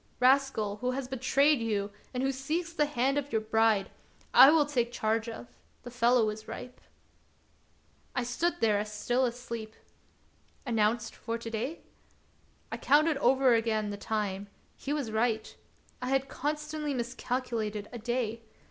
Rascal, who has betrayed you, and who seeks the hand of your bride, I will take charge of ; the fellow is ripe." I stood there as still asleep. " Announced for to day }" I counted over again the time ; he was right. I had constantly miscalculated a day.